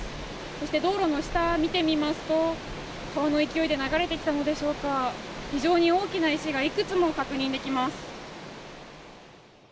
そして道路の下、見てみますと川の勢いで流れてきたのでしょうか非常に大きな石がいくつも確認できます。